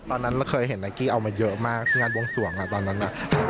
ตอนนั้นเราเคยเห็นไนกี้เอามาเยอะมากที่งานวงส่วงตอนนั้น